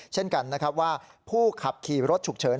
เช่นกันนะครับว่าผู้ขับขี่รถฉุกเฉิน